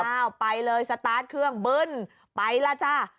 อ้าวไปเลยสตาร์ทเครื่องบึ้นไปล่ะจ้า